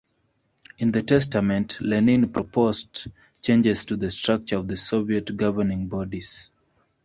In the testament, Lenin proposed changes to the structure of the Soviet governing bodies.